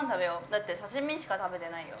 ◆だって刺身しか食べてないよ。